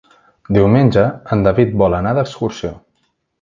Diumenge en David vol anar d'excursió.